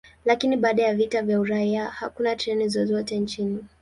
Lakini baada ya vita vya uraia, hakuna treni zozote nchini.